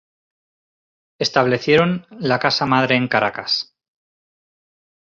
Establecieron la casa madre en Caracas.